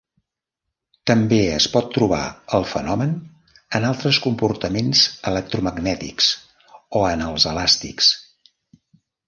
També es pot trobar el fenomen en altres comportaments electromagnètics, o en els elàstics.